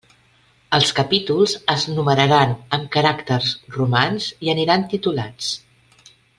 Els capítols es numeraran amb caràcters romans i aniran titulats.